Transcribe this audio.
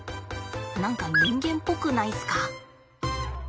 何か人間っぽくないすか？